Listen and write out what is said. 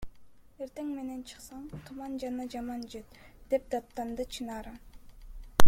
Эртең менен чыксаң — туман жана жаман жыт, – деп даттанды Чынара.